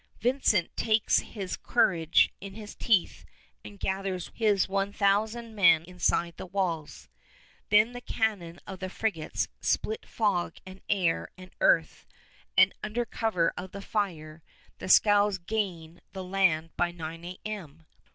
Vincent takes his courage in his teeth and gathers his one thousand men inside the walls. Then the cannon of the frigates split fog and air and earth, and, under cover of the fire, the scows gain the land by 9 A.M.